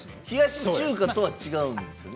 冷やし中華とは違うの？